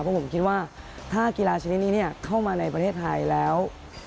เพราะผมคิดว่าถ้ากีฬาชนิดนี้เข้ามาในประเทศไทยแล้ว